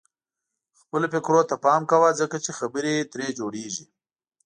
خپلو فکرونو ته پام کوه ځکه چې خبرې ترې جوړيږي.